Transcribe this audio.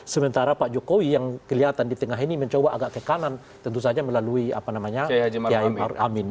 sementara pak jokowi yang kelihatan di tengah ini mencoba agak ke kanan tentu saja melalui apa namanya kiai maruf amin